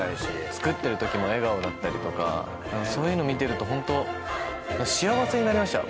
作ってる時も笑顔だったりとかそういうの見てるとホント幸せになれましたよ